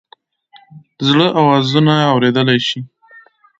د زړه آوازونه اوریدلئ شې؟